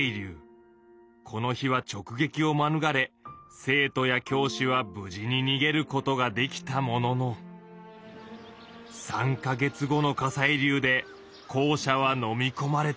この日はちょくげきをまぬがれ生徒や教師は無事ににげることができたものの３か月後の火砕流で校舎はのみこまれてしまった。